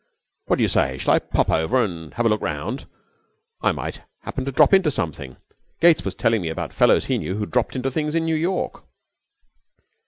'What do you say? Shall I pop over and have a look round? I might happen to drop into something. Gates was telling me about fellows he knew who had dropped into things in New York.'